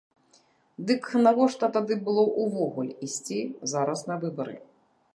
Дык навошта тады было ўвогуле ісці зараз на выбары?